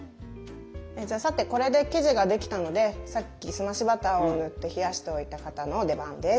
さてこれで生地ができたのでさっき澄ましバターを塗って冷やしておいた型の出番です。